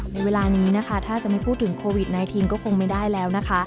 ในเวลานี้นะคะถ้าจะไม่พูดถึงโควิด๑๙ก็คงไม่ได้แล้วนะคะ